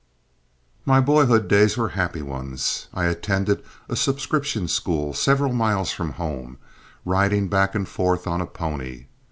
My boyhood days were happy ones. I attended a subscription school several miles from home, riding back and forth on a pony.